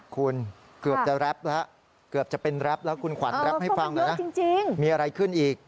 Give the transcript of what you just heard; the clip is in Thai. คุณเกือบจะรับแล้วคุณขวัญรับให้ฟังนะมีอะไรขึ้นอีก